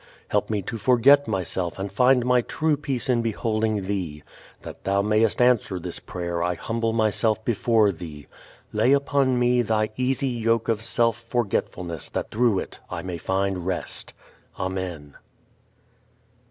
Help me to forget myself and find my true peace in beholding Thee. That Thou mayest answer this prayer I humble myself before Thee. Lay upon me Thy easy yoke of self forgetfulness that through it I may find rest. Amen.